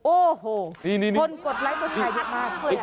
โอ้โหคนกดไลค์บทชายดีมาก